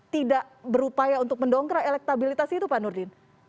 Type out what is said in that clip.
tidak berupaya untuk mendongkrak elektabilitas itu pak nurdin